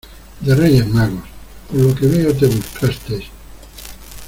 de Reyes Magos, pero... por lo que veo te buscaste